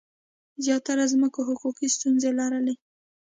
زیاتره ځمکو حقوقي ستونزي لرلي.